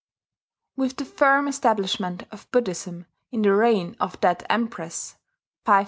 With the firm establishment of Buddhism in the reign of that Empress (593 628 A.